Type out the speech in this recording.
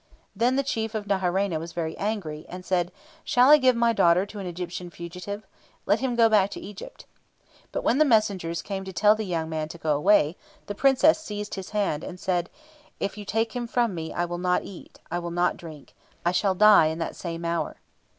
Then the Chief of Naharaina was very angry, and said, "Shall I give my daughter to an Egyptian fugitive? Let him go back to Egypt." But, when the messengers came to tell the young man to go away, the Princess seized his hand, and said, "If you take him from me, I will not eat; I will not drink; I shall die in that same hour."